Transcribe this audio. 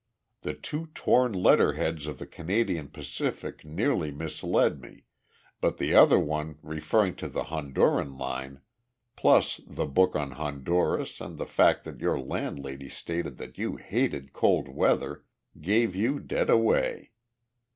The two torn letterheads of the Canadian Pacific nearly misled me, but the other one referring to the Honduran line, plus the book on Honduras and the fact that your landlady stated that you hated cold weather, gave you dead away.